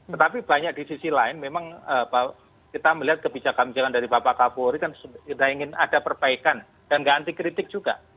tetapi banyak di sisi lain memang kita melihat kebijakan kebijakan dari bapak kapolri kan kita ingin ada perbaikan dan nggak anti kritik juga